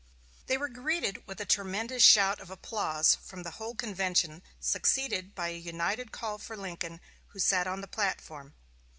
They were greeted with a tremendous shout of applause from the whole convention succeeded by a united call for Lincoln, who sat on the platform.